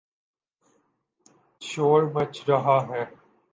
شور مچ رہا ہے۔